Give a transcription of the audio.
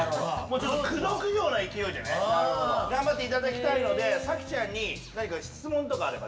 口説くような勢いで頑張っていただきたいので早紀ちゃんに何か質問とかあれば。